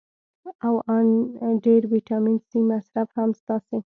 او ان ډېر ویټامین سي مصرف هم ستاسې